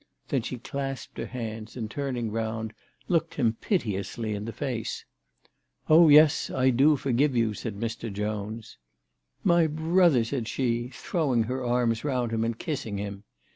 Then she clasped her hands, and turn ing round, looked him piteously in the face. " Oh yes ; I do forgive you," said Mr. Jones. " My brother," said s]j.e, throwing her arms round him and kissing him.